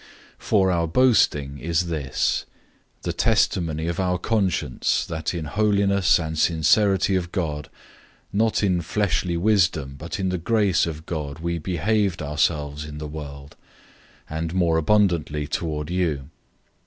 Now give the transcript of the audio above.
001:012 For our boasting is this: the testimony of our conscience, that in holiness and sincerity of God, not in fleshly wisdom but in the grace of God we behaved ourselves in the world, and more abundantly toward you.